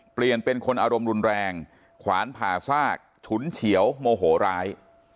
เป็นคนอารมณ์รุนแรงขวานผ่าซากฉุนเฉียวโมโหร้าย